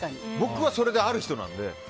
僕はそれである人なので。